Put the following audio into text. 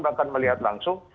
bahkan melihat langsung